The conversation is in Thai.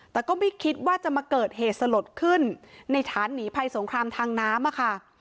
แต่ก็ไม่คิดว่าจะมาเกิดเหตุสลดขึ้นในฐานหนีภัยสงครามทางน้ำอะค่ะ